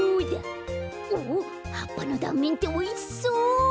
おはっぱのだんめんっておいしそう！